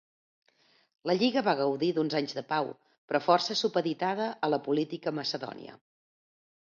La lliga va gaudir d'uns anys de pau, però força supeditada a la política macedònia.